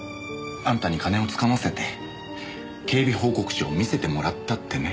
あんたに金を掴ませて警備報告書を見せてもらったってね。